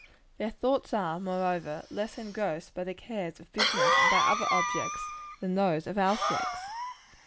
Their thoughts are, moreover, less engrossed by the cares of business, and by other objects, than those of our sex.